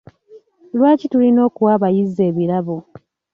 Lwaki tulina okuwa abayizi ebirabo?